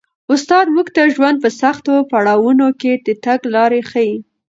استاد موږ ته د ژوند په سختو پړاوونو کي د تګ لاره ښيي.